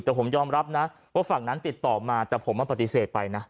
แต่ผมยอมรับนะว่าฝั่งนั้นติดต่อมาแต่ผมมาปฏิเสธไปนะ